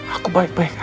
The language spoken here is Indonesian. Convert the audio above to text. aku baik baik aja